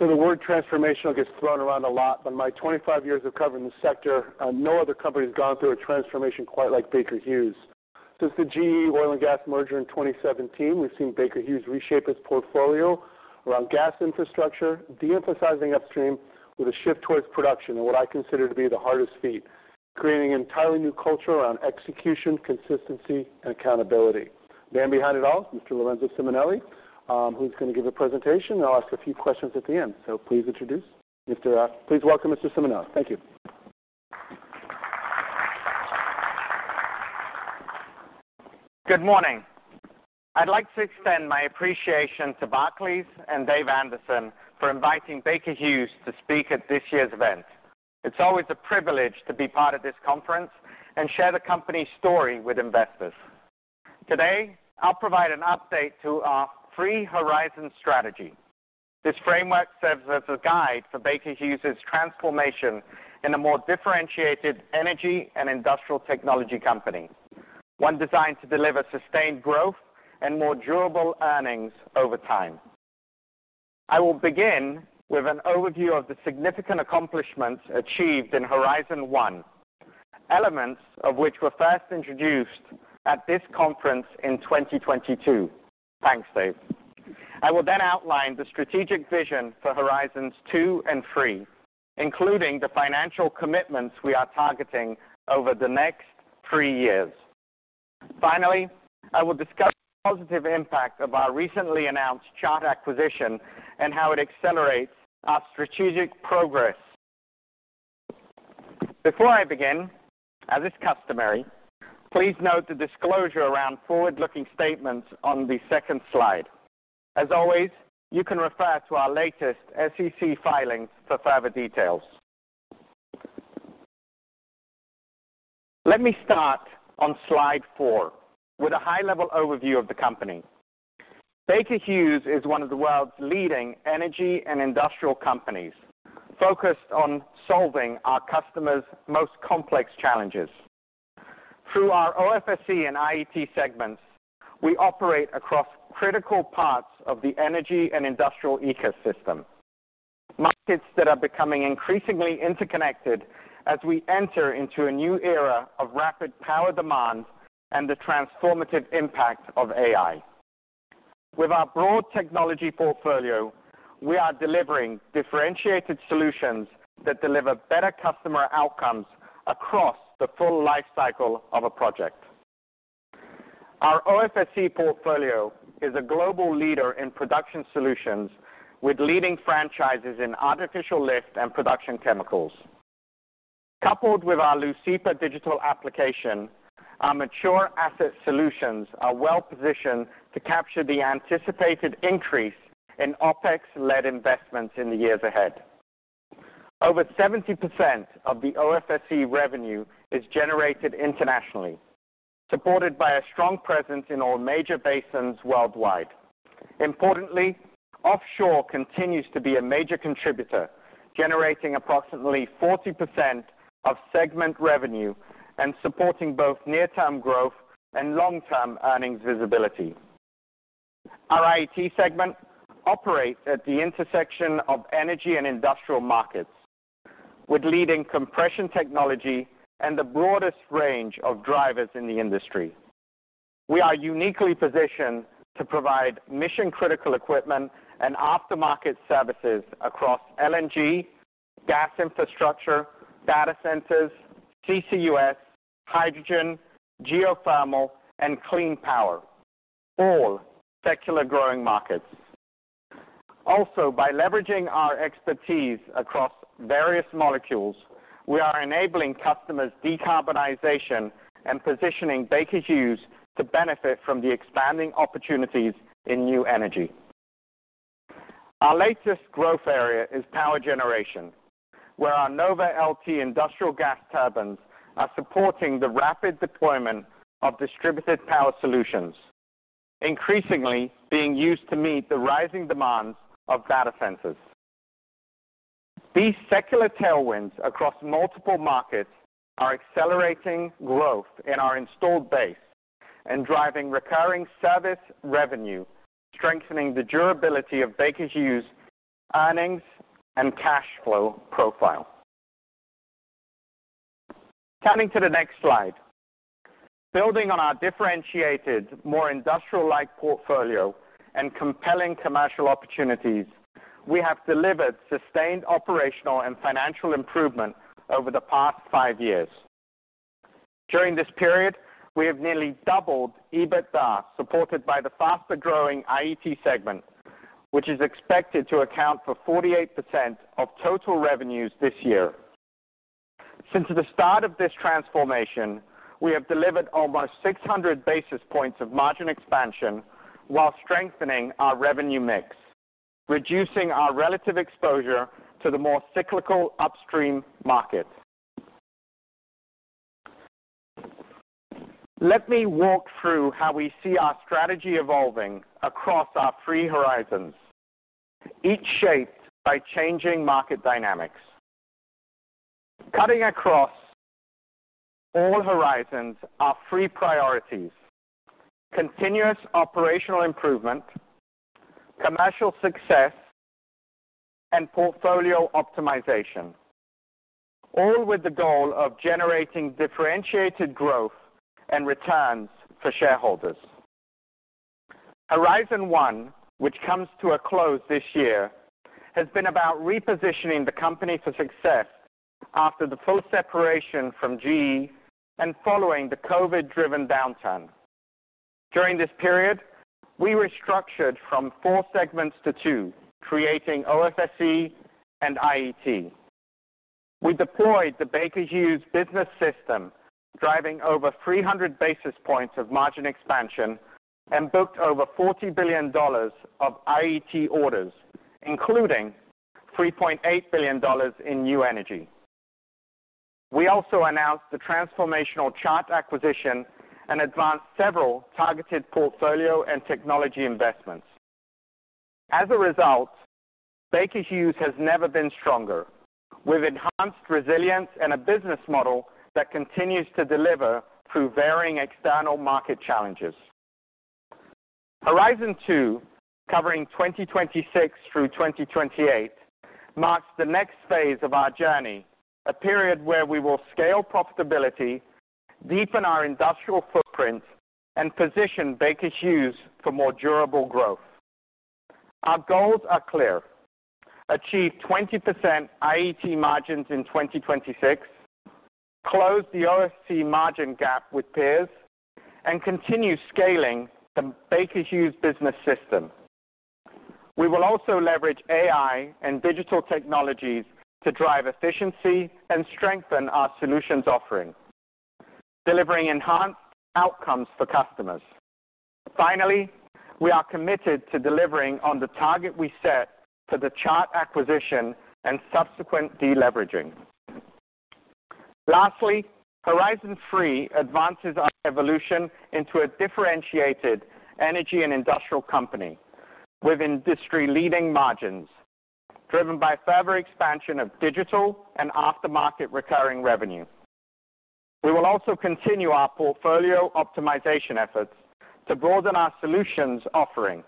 The word "transformational" gets thrown around a lot, but in my 25 years of covering the sector, no other company has gone through a transformation quite like Baker Hughes. Since the GE Oil & Gas merger in 2017, we've seen Baker Hughes reshape its portfolio around gas infrastructure, de-emphasizing upstream with a shift towards production and what I consider to be the hardest feat, creating an entirely new culture around execution, consistency, and accountability. The man behind it all is Mr. Lorenzo Simonelli, who's going to give a presentation, and I'll ask a few questions at the end. Please welcome Mr. Simonelli. Thank you. Good morning. I'd like to extend my appreciation to Barclays and Dave Anderson for inviting Baker Hughes t o speak at this year's event. It's always a privilege to be part of this conference and share the company's story with investors. Today, I'll provide an update to our Three Horizon Strategy. This framework serves as a guide for Baker Hughes 's transformation into a more differentiated energy and industrial technology company, one designed to deliver sustained growth and more durable earnings over time. I will begin with an overview of the significant accomplishments achieved in Horizon One, elements of which were first introduced at this conference in 2022. Thanks, David. I will then outline the strategic vision for Horizons Two and Three, including the financial commitments we are targeting over the next three years. Finally, I will discuss the positive impact of our recently announced Chart acquisition and how it accelerates our strategic progress. Before I begin, as is customary, please note the disclosure around forward-looking statements on the second slide. As always, you can refer to our latest SEC filings for further details. Let me start on slide four with a high-level overview of the company. Baker Hughes is one of the world's leading energy and industrial companies focused on solving our customers' most complex challenges. Through our OFSE and IET segments, we operate across critical parts of the energy and industrial ecosystem, markets that are becoming increasingly interconnected as we enter into a new era of rapid power demand and the transformative impact of AI. With our broad technology portfolio, we are delivering differentiated solutions that deliver better customer outcomes across the full lifecycle of a project. Our OFSE portfolio is a global leader in production solutions, with leading franchises in artificial lift and production chemicals. Coupled with our Leucipa digital application, our mature asset solutions are well-positioned to capture the anticipated increase in OpEx-led investments in the years ahead. Over 70% of the OFSE revenue is generated internationally, supported by a strong presence in all major basins worldwide. Importantly, offshore continues to be a major contributor, generating approximately 40% of segment revenue and supporting both near-term growth and long-term earnings visibility. Our IET segment operates at the intersection of energy and industrial markets, with leading compression technology and the broadest range of drivers in the industry. We are uniquely positioned to provide mission-critical equipment and aftermarket services across LNG, gas infrastructure, data centers, CCUS, hydrogen, geothermal, and clean power, all secular growing markets. Also, by leveraging our expertise across various molecules, we are enabling customers' decarbonization and positioning Baker Hughes to benefit from the expanding opportunities in new energy. Our latest growth area is power generation, where our Nova LT industrial gas turbines are supporting the rapid deployment of distributed power solutions, increasingly being used to meet the rising demands of data centers. These secular tailwinds across multiple markets are accelerating growth in our installed base and driving recurring service revenue, strengthening the durability of Baker Hughes' earnings and cash flow profile. Turning to the next slide, building on our differentiated, more industrial-like portfolio and compelling commercial opportunities, we have delivered sustained operational and financial improvement over the past five years. During this period, we have nearly doubled EBITDA, supported by the faster-growing IET segment, which is expected to account for 48% of total revenues this year. Since the start of this transformation, we have delivered almost 600 basis points of margin expansion while strengthening our revenue mix, reducing our relative exposure to the more cyclical upstream market. Let me walk through how we see our strategy evolving across our Three Horizons, each shaped by changing market dynamics. Cutting across all horizons are three priorities: continuous operational improvement, commercial success, and portfolio optimization, all with the goal of generating differentiated growth and returns for shareholders. Horizon One, which comes to a close this year, has been about repositioning the company for success after the full separation from GE and following the COVID-driven downturn. During this period, we restructured from four segments to two, creating OFSE and IET. We deployed the Baker Hughes Business System, driving over 300 basis points of margin expansion and booked over $40 billion of IET orders, including $3.8 billion in new energy. We also announced the transformational Chart acquisition and advanced several targeted portfolio and technology investments. As a result, Baker Hughes has never been stronger, with enhanced resilience and a business model that continues to deliver through varying external market challenges. Horizon Two, covering 2026- 2028, marks the next phase of our journey, a period where we will scale profitability, deepen our industrial footprint, and position Baker Hughes for more durable growth. Our goals are clear: achieve 20% IET margins in 2026, close the OFSE margin gap with peers, and continue scaling the Baker Hughes Business System. We will also leverage AI and digital technologies to drive efficiency and strengthen our solutions offering, delivering enhanced outcomes for customers. Finally, we are committed to delivering on the target we set for the Chart acquisition and subsequent deleveraging. Lastly, Horizon Three advances our evolution into a differentiated energy and industrial company with industry-leading margins, driven by further expansion of digital and aftermarket recurring revenue. We will also continue our portfolio optimization efforts to broaden our solutions offering,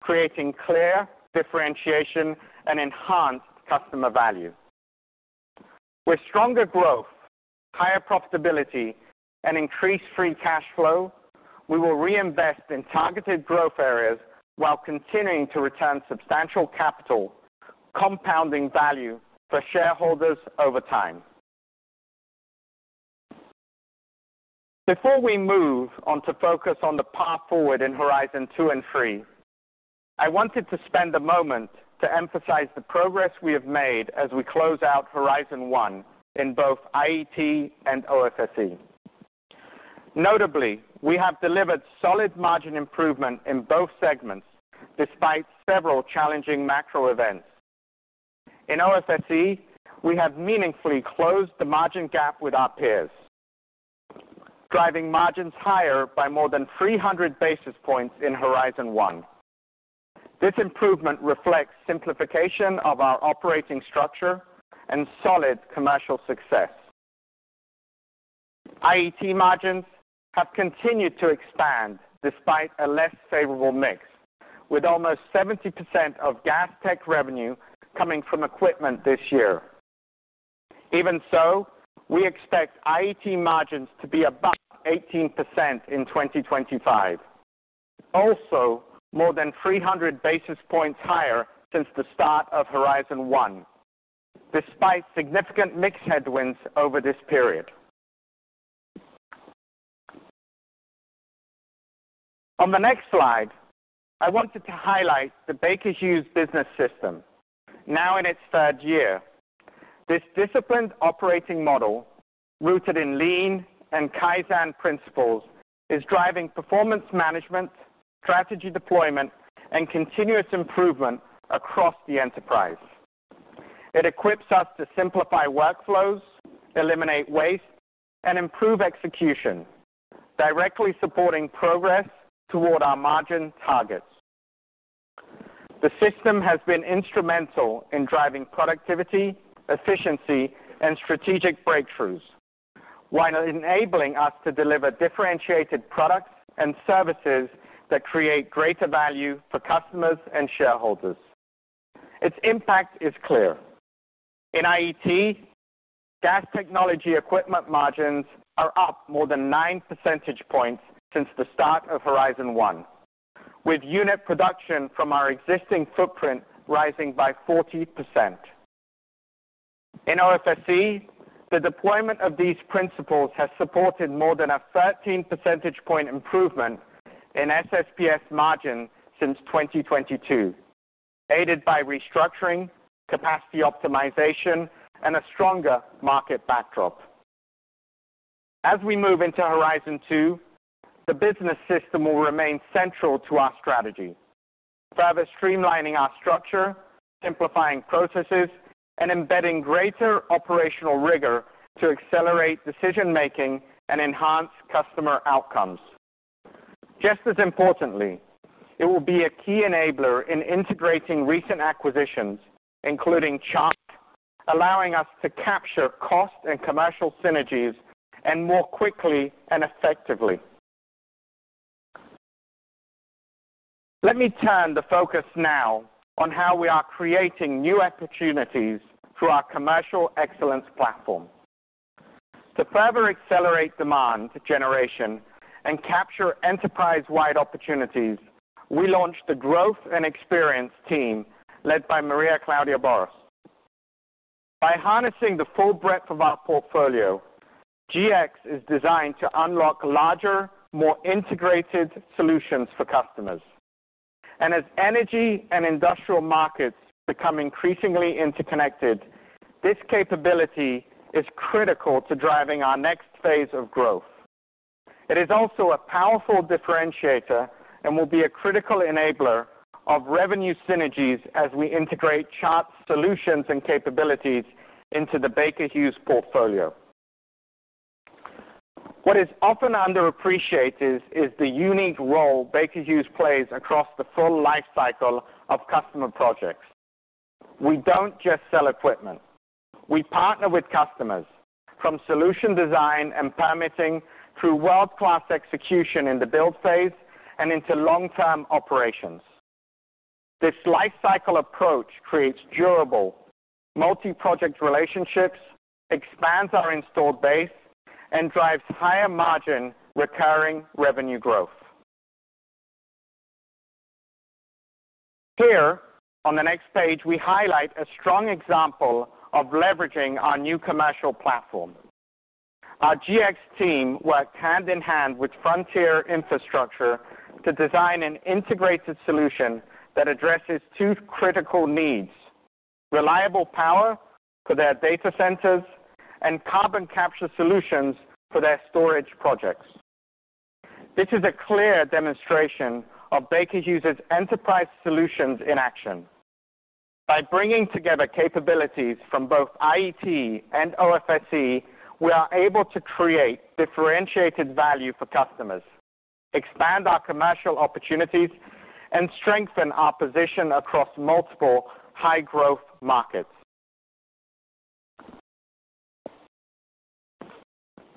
creating clear differentiation and enhanced customer value. With stronger growth, higher profitability, and increased free cash flow, we will reinvest in targeted growth areas while continuing to return substantial capital, compounding value for shareholders over time. Before we move on to focus on the path forward in Horizon Two and Three, I wanted to spend a moment to emphasize the progress we have made as we close out Horizon One in both IET and OFSE. Notably, we have delivered solid margin improvement in both segments despite several challenging macro events. In OFSE, we have meaningfully closed the margin gap with our peers, driving margins higher by more than 300 basis points in Horizon One. This improvement reflects simplification of our operating structure and solid commercial success. IET margins have continued to expand despite a less favorable mix, with almost 70% of gas tech revenue coming from equipment this year. Even so, we expect IET margins to be above 18% in 2025, also more than 300 basis points higher since the start of Horizon One, despite significant mix headwinds over this period. On the next slide, I wanted to highlight the Baker Hughes Business System, now in its third year. This disciplined operating model, rooted in lean and Kaizen principles, is driving performance management, strategy deployment, and continuous improvement across the enterprise. It equips us to simplify workflows, eliminate waste, and improve execution, directly supporting progress toward our margin targets. The system has been instrumental in driving productivity, efficiency, and strategic breakthroughs, while enabling us to deliver differentiated products and services that create greater value for customers and shareholders. Its impact is clear. In IET, gas technology equipment margins are up more than 9 percentage points since the start of Horizon One, with unit production from our existing footprint rising by 40%. In OFSE, the deployment of these principles has supported more than a 13 percentage point improvement in SSPS margin since 2022, aided by restructuring, capacity optimization, and a stronger market backdrop. As we move into Horizon Two, the business system will remain central to our strategy, further streamlining our structure, simplifying processes, and embedding greater operational rigor to accelerate decision-making and enhance customer outcomes. Just as importantly, it will be a key enabler in integrating recent acquisitions, including Chart, allowing us to capture cost and commercial synergies more quickly and effectively. Let me turn the focus now on how we are creating new opportunities through our commercial excellence platform. To further accelerate demand generation and capture enterprise-wide opportunities, we launched the Growth & Experience team led by Maria Claudia Borras. By harnessing the full breadth of our portfolio, GX is designed to unlock larger, more integrated solutions for customers. As energy and industrial markets become increasingly interconnected, this capability is critical to driving our next phase of growth. It is also a powerful differentiator and will be a critical enabler of revenue synergies as we integrate Chart solutions and capabilities into the Baker Hughes portfolio. What is often underappreciated is the unique role Baker Hughes plays across the full lifecycle of customer projects. We don't just sell equipment; we partner with customers from solution design and permitting through world-class execution in the build phase and into long-term operations. This lifecycle approach creates durable multi-project relationships, expands our installed base, and drives higher margin recurring revenue growth. Here, on the next page, we highlight a strong example of leveraging our new commercial platform. Our GX team worked hand in hand with Frontier Infrastructure to design an integrated solution that addresses two critical needs: reliable power for their data centers and carbon capture solutions for their storage projects. This is a clear demonstration of Baker Hughes's enterprise solutions in action. By bringing together capabilities from both IET and OFSE, we are able to create differentiated value for customers, expand our commercial opportunities, and strengthen our position across multiple high-growth markets.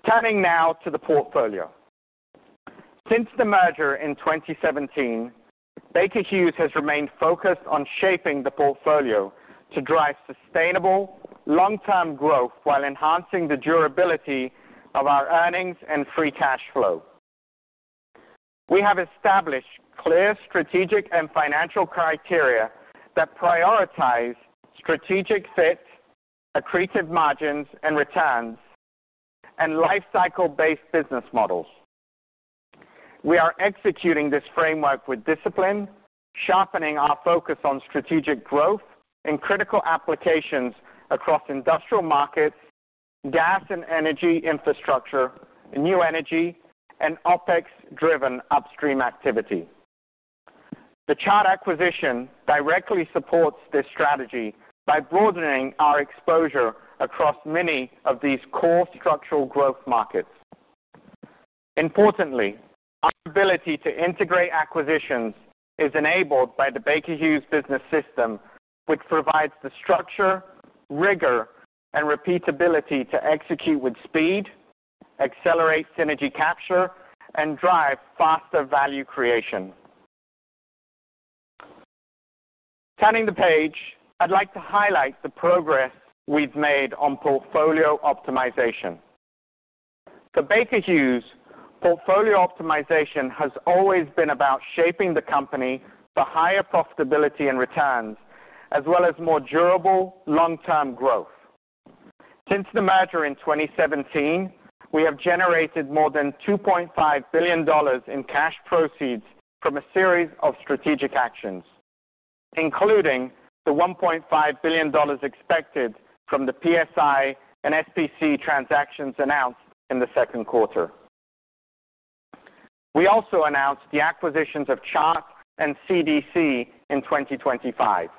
Turning now to the portfolio. Since the merger in 2017, Baker Hughes has remained focused on shaping the portfolio to drive sustainable long-term growth while enhancing the durability of our earnings and free cash flow. We have established clear strategic and financial criteria that prioritize strategic fit, accretive margins and returns, and lifecycle-based business models. We are executing this framework with discipline, sharpening our focus on strategic growth in critical applications across industrial markets, gas and energy infrastructure, new energy, and OpEx-driven upstream activity. The Chart acquisition directly supports this strategy by broadening our exposure across many of these core structural growth markets. Importantly, our ability to integrate acquisitions is enabled by the Baker Hughes Business System, which provides the structure, rigor, and repeatability to execute with speed, accelerate synergy capture, and drive faster value creation. Turning the page, I'd like to highlight the progress we've made on portfolio optimization. For Baker Hughes, portfolio optimization has always been about shaping the company for higher profitability and returns, as well as more durable long-term growth. Since the merger in 2017, we have generated more than $2.5 billion in cash proceeds from a series of strategic actions, including the $1.5 billion expected from the PSI and SPC transactions announced in the second quarter. We also announced the acquisitions of Chart and CDC in 2025.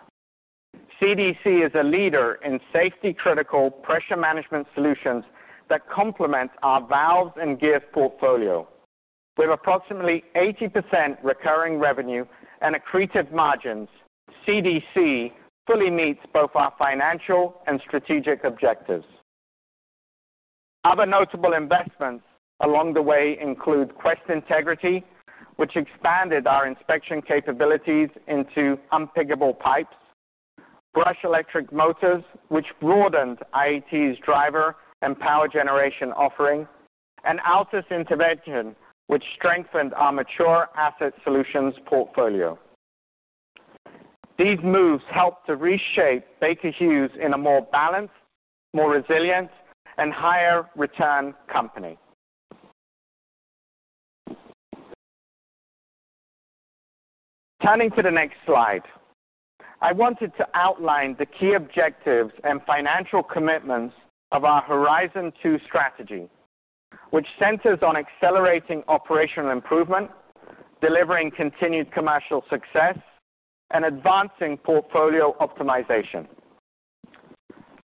CDC is a leader in safety-critical pressure management solutions that complement our valves and gears portfolio. With approximately 80% recurring revenue and accretive margins, CDC fully meets both our financial and strategic objectives. Other notable investments along the way include Quest Integrity, which expanded our inspection capabilities into unpickable pipes, BRUSH Electric Motors, which broadened IET's driver and power generation offering, and Altus Intervention, which strengthened our mature asset solutions portfolio. These moves helped to reshape Baker Hughes into a more balanced, more resilient, and higher return company. Turning to the next slide, I wanted to outline the key objectives and financial commitments of our Horizon Two strategy, which centers on accelerating operational improvement, delivering continued commercial success, and advancing portfolio optimization.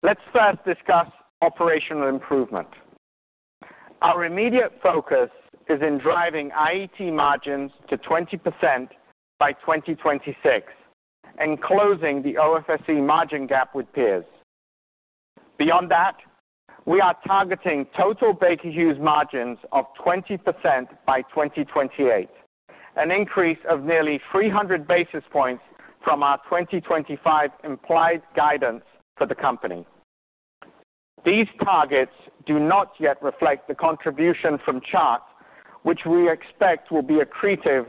Let's first discuss operational improvement. Our immediate focus is in driving IET margins to 20% by 2026 and closing the OFSE margin gap with peers. Beyond that, we are targeting total Baker Hughes margins of 20% by 2028, an increase of nearly 300 basis points from our 2025 implied guidance for the company. These targets do not yet reflect the contribution from Chart, which we expect will be accretive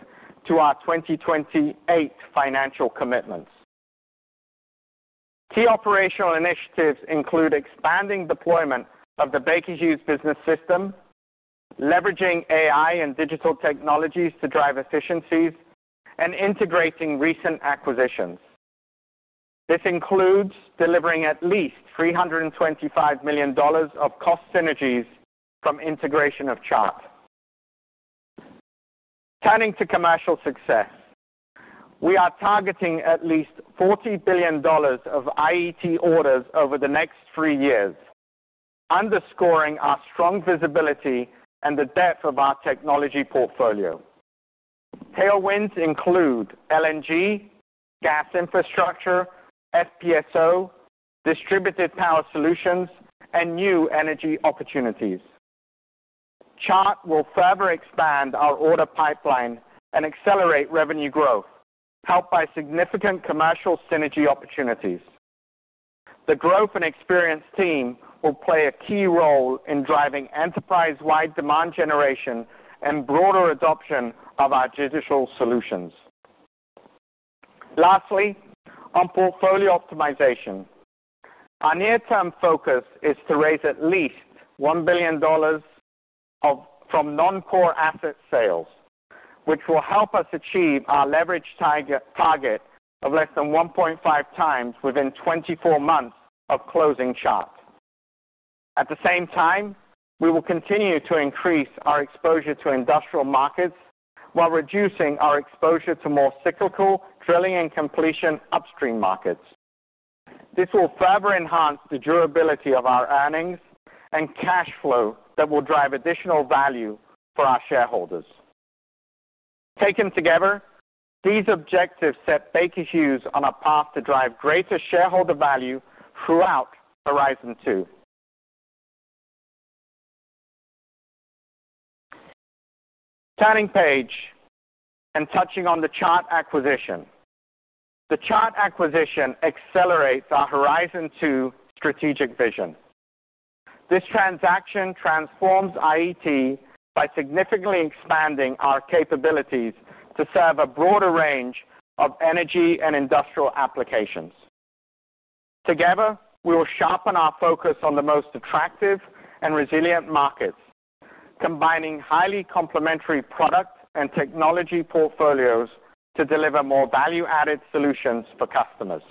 to our 2028 financial commitments. Key operational initiatives include expanding deployment of the Baker Hughes Business System, leveraging AI and digital technologies to drive efficiencies, and integrating recent acquisitions. This includes delivering at least $325 million of cost synergies from integration of Chart. Turning to commercial success, we are targeting at least $40 billion of IET orders over the next three years, underscoring our strong visibility and the depth of our technology portfolio. Tailwinds include LNG, gas infrastructure, FPSO, distributed power solutions, and new energy opportunities. Chart will further expand our order pipeline and accelerate revenue growth, helped by significant commercial synergy opportunities. The Growth & Experience team will play a key role in driving enterprise-wide demand generation and broader adoption of our judicial solutions. Lastly, on portfolio optimization, our near-term focus is to raise at least $1 billion from non-core asset sales, which will help us achieve our leverage target of less than 1.5x within 24 months of closing Chart. At the same time, we will continue to increase our exposure to industrial markets while reducing our exposure to more cyclical drilling and completion upstream markets. This will further enhance the durability of our earnings and cash flow that will drive additional value for our shareholders. Taken together, these objectives set Baker Hughes on a path to drive greater shareholder value throughout Horizon Two. Turning page and touching on the Chart acquisition, the Chart acquisition accelerates our Horizon Two strategic vision. This transaction transforms IET by significantly expanding our capabilities to serve a broader range of energy and industrial applications. Together, we will sharpen our focus on the most attractive and resilient markets, combining highly complementary product and technology portfolios to deliver more value-added solutions for customers.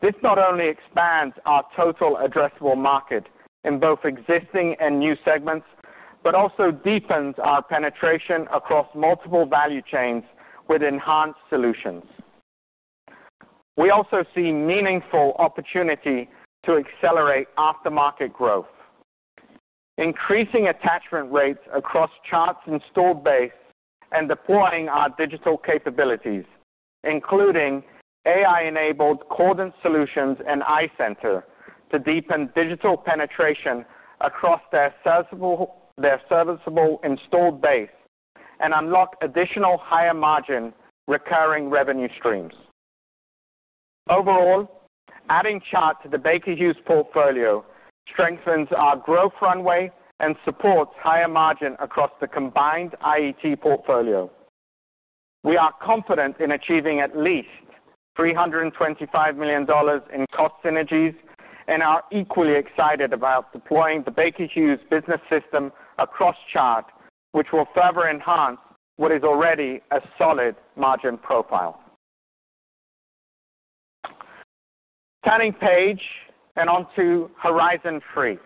This not only expands our total addressable market in both existing and new segments, but also deepens our penetration across multiple value chains with enhanced solutions. We also see meaningful opportunity to accelerate aftermarket growth, increasing attachment rates across Chart's installed base and deploying our digital capabilities, including AI-enabled Cordant Solutions and iCenter to deepen digital penetration across their serviceable installed base and unlock additional higher margin recurring revenue streams. Overall, adding Chart to the Baker Hughes portfolio strengthens our growth runway and supports higher margin across the combined IET portfolio. We are confident in achieving at least $325 million in cost synergies and are equally excited about deploying the Baker Hughes Business System across Chart, which will further enhance what is already a solid margin profile. Turning page and onto Horizon Three,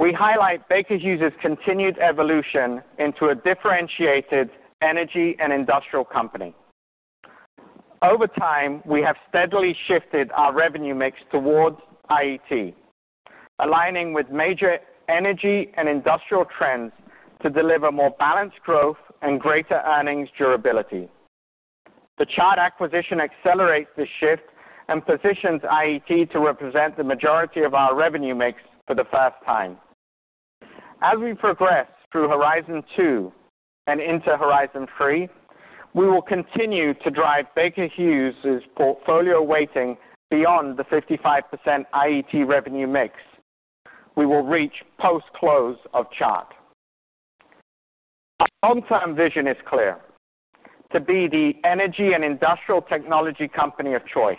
we highlight Baker Hughes's continued evolution into a differentiated energy and industrial company. Over time, we have steadily shifted our revenue mix toward IET, aligning with major energy and industrial trends to deliver more balanced growth and greater earnings durability. The Chart acquisition accelerates this shift and positions IET to represent the majority of our revenue mix for the first time. As we progress through Horizon Two and into Horizon Three, we will continue to drive Baker Hughes's portfolio weighting beyond the 55% IET revenue mix. We will reach post-close of Chart. Long-term vision is clear: to be the energy and industrial technology company of choice,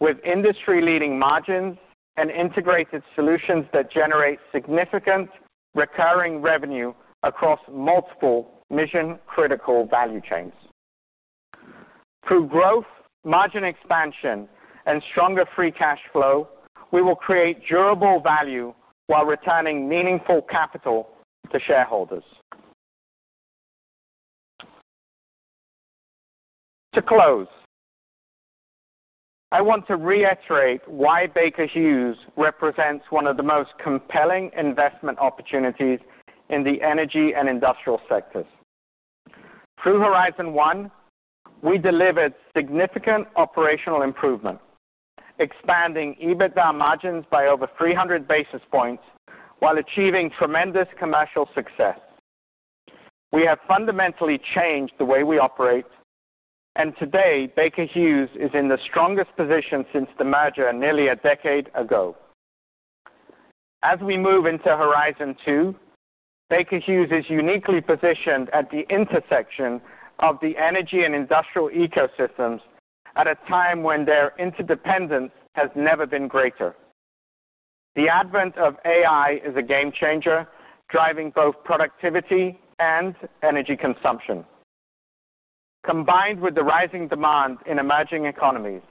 with industry-leading margins and integrated solutions that generate significant recurring revenue across multiple mission-critical value chains. Through growth, margin expansion, and stronger free cash flow, we will create durable value while returning meaningful capital to shareholders. To close, I want to reiterate why Baker Hughes represents one of the most compelling investment opportunities in the energy and industrial sectors. Through Horizon One, we delivered significant operational improvement, expanding EBITDA margins by over 300 basis points while achieving tremendous commercial success. We have fundamentally changed the way we operate, and today, Baker Hughes is in the strongest position since the merger nearly a decade ago. As we move into Horizon Two, Baker Hughes is uniquely positioned at the intersection of the energy and industrial ecosystems at a time when their interdependence has never been greater. The advent of AI is a game-changer, driving both productivity and energy consumption. Combined with the rising demand in emerging economies,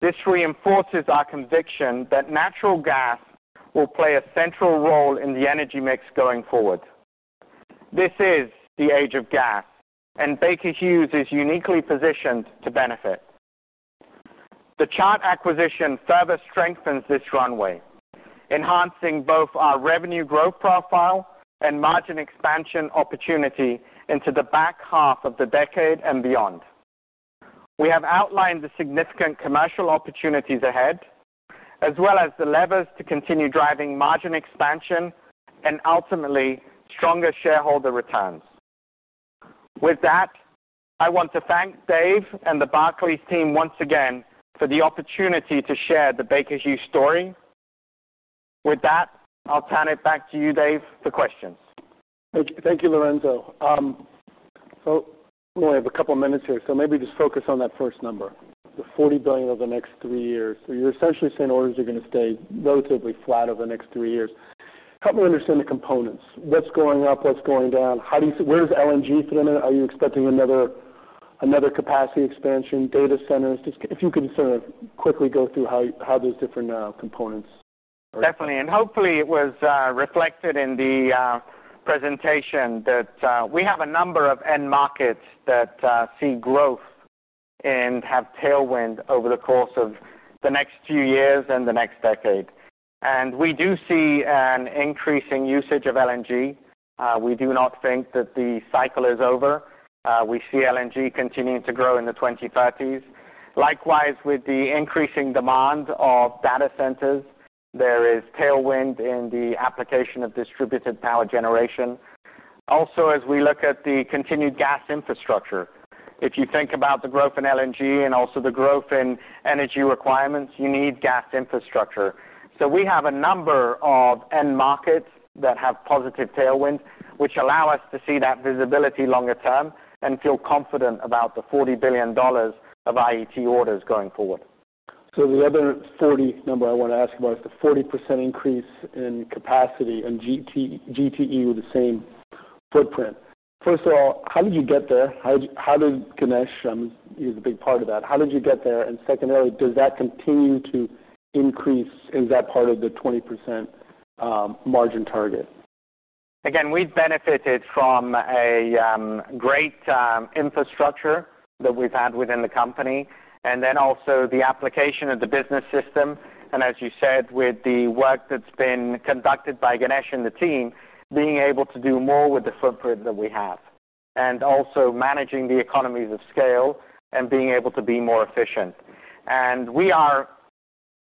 this reinforces our conviction that natural gas will play a central role in the energy mix going forward. This is the age of gas, and Baker Hughes is uniquely positioned to benefit. The Chart acquisition further strengthens this runway, enhancing both our revenue growth profile and margin expansion opportunity into the back half of the decade and beyond. We have outlined the significant commercial opportunities ahead, as well as the levers to continue driving margin expansion and ultimately stronger shareholder returns. With that, I want to thank Dave and the Barclays team once again for the opportunity to share the Baker Hughes story. With that, I'll turn it back to you, Dave, for questions. Thank you, Lorenzo. We have a couple of minutes here, so maybe just focus on that first number, the $40 billion over the next three years. You're essentially saying orders are going to stay relatively flat over the next three years. Help me understand the components. What's going up? What's going down? Where's LNG thrown in? Are you expecting another capacity expansion, data centers? If you could sort of quickly go through how those different components are. Definitely. Hopefully, it was reflected in the presentation that we have a number of end markets that see growth and have tailwind over the course of the next few years and the next decade. We do see an increasing usage of LNG. We do not think that the cycle is over. We see LNG continuing to grow in the 2030s. Likewise, with the increasing demand of data centers, there is tailwind in the application of distributed power generation. Also, as we look at the continued gas infrastructure, if you think about the growth in LNG and also the growth in energy requirements, you need gas infrastructure. We have a number of end markets that have positive tailwind, which allow us to see that visibility longer term and feel confident about the $40 billion of IET orders going forward. The other 40 number I want to ask you about is the 40% increase in capacity in GTE with the same footprint. First of all, how did you get there? How did Ganesh be a big part of that? How did you get there? Secondarily, does that continue to increase? Is that part of the 20% margin target? Again, we've benefited from a great infrastructure that we've had within the company, and also the application of the Baker Hughes Business System. As you said, with the work that's been conducted by Ganesh and the team, being able to do more with the footprint that we have and also managing the economies of scale and being able to be more efficient. We are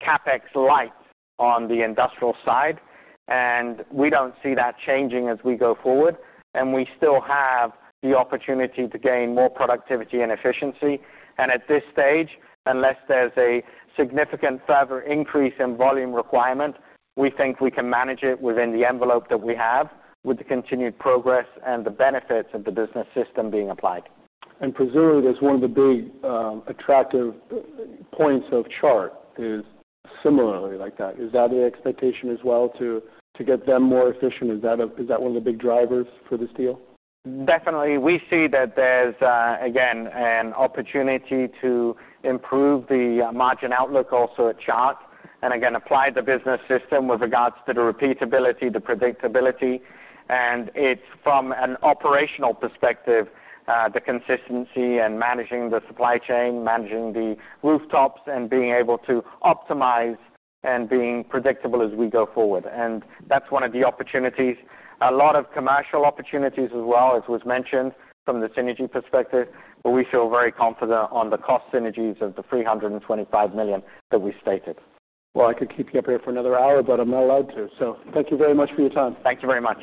CapEx light on the industrial side, and we don't see that changing as we go forward. We still have the opportunity to gain more productivity and efficiency. At this stage, unless there's a significant further increase in volume requirement, we think we can manage it within the envelope that we have with the continued progress and the benefits of the Baker Hughes Business System being applied. Presumably, that's one of the big attractive points of Chart. Is that the expectation as well, to get them more efficient? Is that one of the big drivers for this deal? Definitely. We see that there's, again, an opportunity to improve the margin outlook also at Chart and again apply the Baker Hughes Business System with regards to the repeatability, the predictability. It's from an operational perspective, the consistency and managing the supply chain, managing the rooftops, and being able to optimize and be predictable as we go forward. That's one of the opportunities, a lot of commercial opportunities as well, as was mentioned from the synergy perspective, but we feel very confident on the cost synergies of the $325 million that we stated. I could keep you up here for another hour, but I'm not allowed to. Thank you very much for your time. Thank you very much.